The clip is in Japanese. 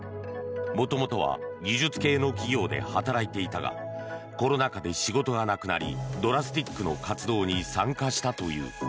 もともとは技術系の企業で働いていたがコロナ禍で仕事がなくなりＤＲＡＳＴＩＣの活動に参加したという。